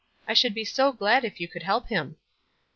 I should be so glad if you could help him."